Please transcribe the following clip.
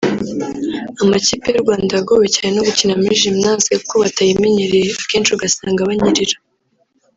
Amakipe y’u Rwanda yagowe cyane no gukinira muri Gymnase kuko batayimenyereye akenshi ugasanga banyerera